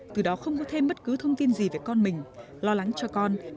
từ đó không có thêm bất cứ thông tin gì về con mình lo lắng cho con